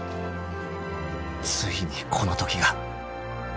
［ついにこの時が］